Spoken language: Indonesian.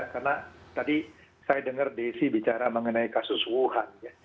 karena tadi saya dengar desi bicara mengenai kasus wuhan